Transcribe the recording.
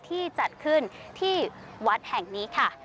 ที่จัดขึ้นที่วัดแห่งนี้ค่ะ